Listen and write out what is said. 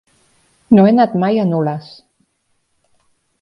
No he anat mai a Nules.